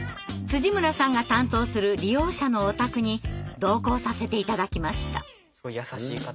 村さんが担当する利用者のお宅に同行させて頂きました。